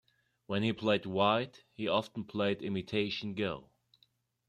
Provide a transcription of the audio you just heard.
When he played white he often played imitation go.